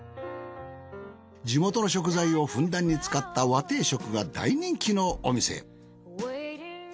地元の食材をふんだんに使った和定食が大人気のお店。